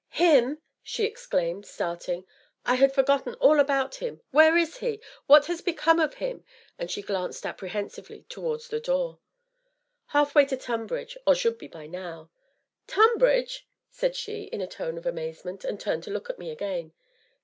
"Him!" she exclaimed, starting. "I had forgotten all about him. Where is he what has become of him?" and she glanced apprehensively towards the door. "Half way to Tonbridge or should be by now." "Tonbridge!" said she, in a tone of amazement, and turned to look at me again.